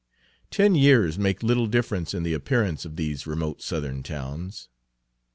Ten years make little difference in the appearance of these remote Southern towns.